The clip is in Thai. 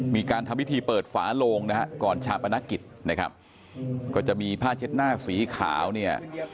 มีการทำพิธีเปิดฝาโลงนะฮะก่อนชาปนกิจนะครับก็จะมีผ้าเช็ดหน้าสีขาวเนี่ย